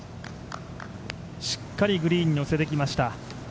しっかりグリーンにのせてきました。